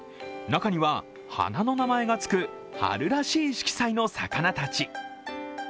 中には、花の名前がつく春らしい色彩の魚たち。